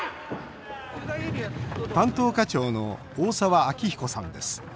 担当課長の大澤章彦さんです。